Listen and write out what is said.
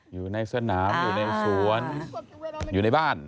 อยู่ในสนามอยู่ในสวนอยู่ในบ้าน